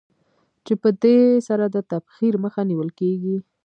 چې په دې سره د تبخیر مخه نېول کېږي.